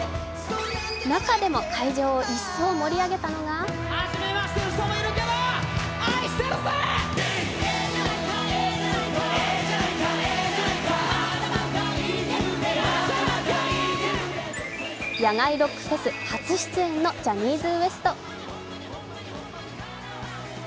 中でも会場を一層盛り上げたのが野外ロックフェス初出演のジャニーズＷＥＳＴ。